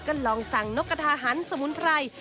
ก็ลองสั่งนกกระทาหันสมุนไพร